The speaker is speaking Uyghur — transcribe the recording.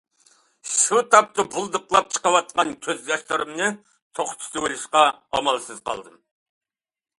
شۇ تاپتا بۇلدۇقلاپ چىقىۋاتقان كۆز ياشلىرىمنى توختىتىۋېلىشقا ئامالسىز قالدىم.